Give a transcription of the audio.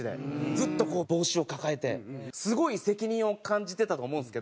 ずっとこう帽子を抱えてすごい責任を感じてたと思うんですけど。